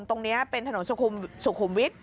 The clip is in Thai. ตรงนี้เป็นถนนสุขุมวิทย